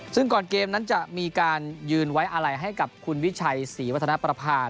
ซึ่งก่อนเกมนั้นจะมีการยืนไว้อะไรให้กับคุณวิชัยศรีวัฒนประพา